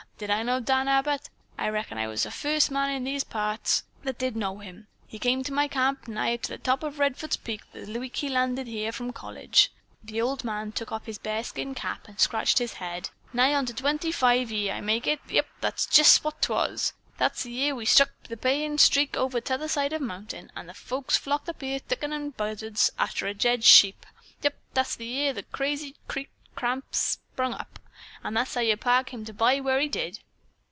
Did I know Danny Abbott? I reckon I was the furst man in these here parts that did know him. He come to my camp, nigh to the top of Redfords' Peak, the week he landed here from college." The old man took off his bearskin cap and scratched his head. "Nigh onto twenty five year, I make it. Yep, that's jest what 'twas. That's the year we struck the payin' streak over t'other side of the mountain, and folks flocked in here thicker'n buzzards arter a dead sheep. Yep, that's the year the Crazy Creek Camp sprung up, and that's how yer pa come to buy where he did."